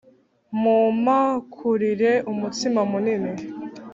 Mumpakurire umutsima munini